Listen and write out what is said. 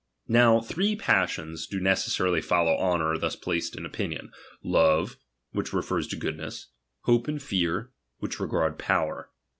Now three passions do necessarily follow honour thns placed in opinion ; love, which refers to goodness ; hope and Jear, which regard power.